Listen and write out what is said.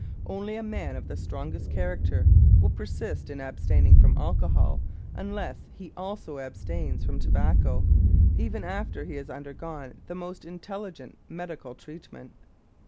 Only a man of the strongest character will persist in abstaining from alcohol unless he also abstains from tobacco, even after he has undergone the most intelligent medical treatment.